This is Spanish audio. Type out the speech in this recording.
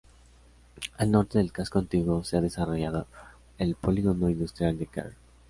Al norte del casco antiguo se ha desarrollado el Polígono Industrial de Quer.